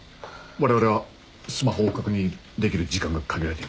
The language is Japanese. われわれはスマホを確認できる時間が限られています。